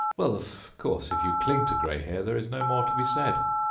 Well, of course, if you cling to grey hair, there is no more to be said.